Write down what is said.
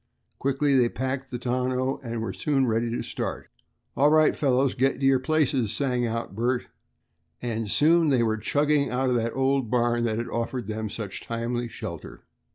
Quickly they packed the tonneau, and were soon ready to start. "All right, fellows, get to your places," sang out Bert, and soon they were chugging out of the old barn that had offered them such timely shelter.